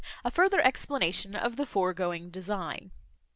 A further explanation of the foregoing design.